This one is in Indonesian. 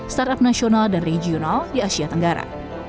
startup nasional dan regional di asia tenggara